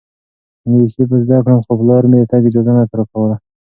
انګلیسي به زده کړم خو پلار مې د تګ اجازه نه راکوله.